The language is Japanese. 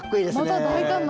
また大胆な。